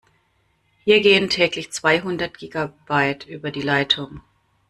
Hier gehen täglich zweihundert Gigabyte über die Leitung.